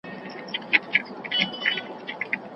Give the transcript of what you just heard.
پوهه له زانګو تر ګوره.